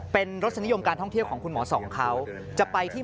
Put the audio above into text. เป็นรสนิยมการท่องเที่ยวของคุณหมอสองเขาจะไปที่